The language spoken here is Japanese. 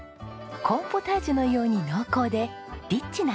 コーンポタージュのように濃厚でリッチな味わいです。